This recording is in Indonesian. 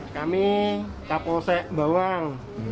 kami kapolsek bawang